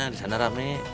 di sana rame